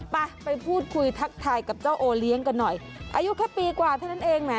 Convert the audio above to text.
ไปไปพูดคุยทักทายกับเจ้าโอเลี้ยงกันหน่อยอายุแค่ปีกว่าเท่านั้นเองแหม